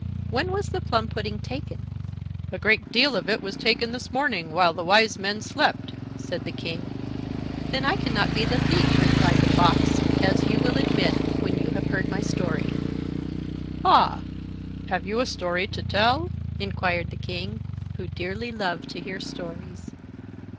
When was the plum pudding taken?" "A great deal of it was taken this morning, while the Wise Men slept," said the King. "Then I can not be the thief," replied the Fox, "as you will admit when you have heard my story." "Ah! Have you a story to tell?" inquired the King, who dearly loved to hear stories.